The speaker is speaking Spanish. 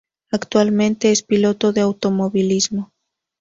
Actualmente es piloto de automovilismo.